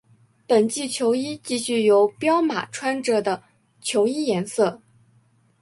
本季球衣继续由彪马穿着的球衣颜色。